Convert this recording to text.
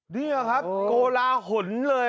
นี่ครับกลลาหล่นเลย